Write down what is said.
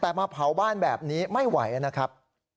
แต่มาเผาบ้านแบบนี้ไม่ไหวนะครับ